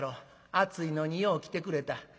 暑いのによう来てくれた。